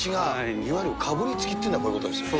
いわゆるかぶりつきっていうのがこういうことかもしれない。